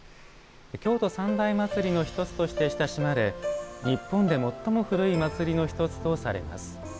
京都三大祭りの１つとして親しまれ日本で最も古い祭りの１つとされます。